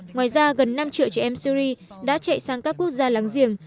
ngoài ra gần năm triệu trẻ em syria đã chạy sang các quốc gia lắng giềng